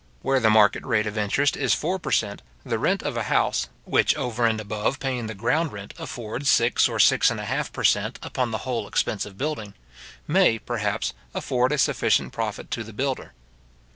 Where the market rate of interest is four per cent. the rent of a house, which, over and above paying the ground rent, affords six or six and a half per cent. upon the whole expense of building, may, perhaps, afford a sufficient profit to the builder.